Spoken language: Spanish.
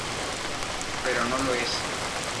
Pero no lo es.